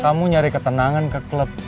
kamu nyari ketenangan ke klub